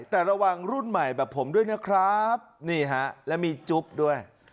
แต่ระวังรุ่นใหม่แบบผมด้วยนะครับนี่ฮะแล้วมีจุ๊บด้วย